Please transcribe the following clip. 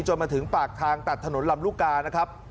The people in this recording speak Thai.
จนมาถึงปากทางตัดถนนลำลูกกานะครับ